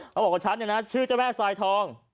เขาบอกกับฉันชื่อเจ้าแม่ทรายทอง